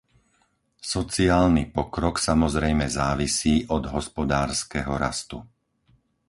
Sociálny pokrok samozrejme závisí od hospodárskeho rastu.